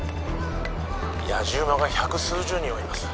やじ馬が百数十人はいます